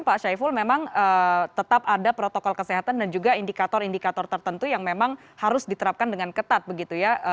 pak syaiful memang tetap ada protokol kesehatan dan juga indikator indikator tertentu yang memang harus diterapkan dengan ketat begitu ya